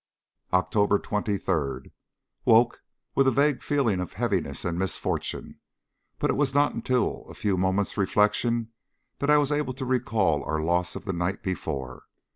October 23. Woke with a vague feeling of heaviness and misfortune, but it was not until a few moments' reflection that I was able to recall our loss of the night before.